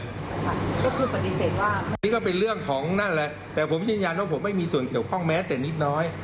ก็คือปฏิเสธว่านี่ก็เป็นเรื่องของนั่นแหละแต่ผมยืนยันว่าผมไม่มีส่วนเกี่ยวข้องแม้แต่นิดน้อย